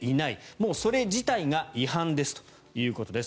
もうそれ自体が違反ですということです。